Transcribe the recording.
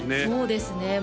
そうですね